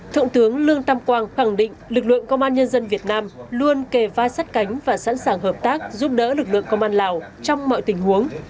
thượng tướng lương tam quang khẳng định lực lượng công an nhân dân việt nam luôn kề vai sắt cánh và sẵn sàng hợp tác giúp đỡ lực lượng công an lào trong mọi tình huống